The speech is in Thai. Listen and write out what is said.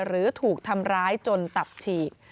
หรือถูกทำร้ายจนตับฉีก